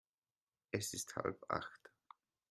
Es ist halb Acht.